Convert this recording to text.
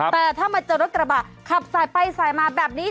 แต่ถ้ามาเจอรถกระบะขับสายไปสายมาแบบนี้